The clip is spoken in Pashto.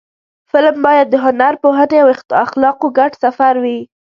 فلم باید د هنر، پوهنې او اخلاقو ګډ سفر وي